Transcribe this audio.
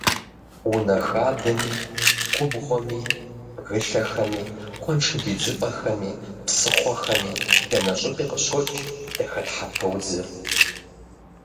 Унэ хадэми, губгъуэми, бгылъэхэми, куэншыб идзыпӏэхэми, псыхъуэхэми, дэнэ щӏыпӏи къыщокӏ дахэтхьэпэ удзыр.